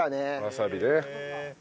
わさびね。